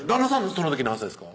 その時何歳ですか？